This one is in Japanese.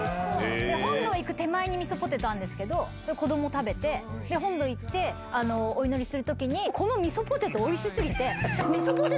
本堂行く手前にみそポテトあるんですけど子供が食べてで本堂行ってお祈りする時にこのみそポテトおいし過ぎて。